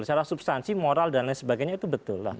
secara substansi moral dan lain sebagainya itu betul